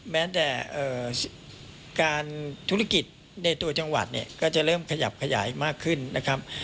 แม้แต่การธุรกิจในตัวจังหวัดเนี่ยก็จะเริ่มขยับขยายมากขึ้นนะครับ